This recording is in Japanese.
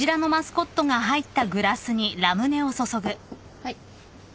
はい。